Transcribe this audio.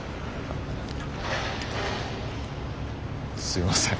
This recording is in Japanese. すいません。